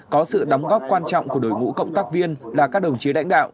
có sự đóng góp quan trọng của đối ngũ cộng tác viên là các đồng chí đảnh đạo